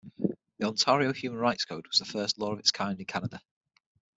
The Ontario "Human Rights Code" was the first law of its kind in Canada.